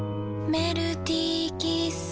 メルティーキッス